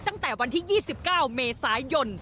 ตั้งแต่วันที่๒๙เมษายน